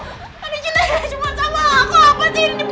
adi cintanya cuma sama aku apa sih ini pegang pegangin